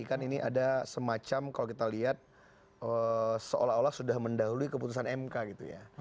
kan ini ada semacam kalau kita lihat seolah olah sudah mendahului keputusan mk gitu ya